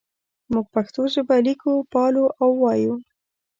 موږ پښتو ژبه لیکو پالو او وایو.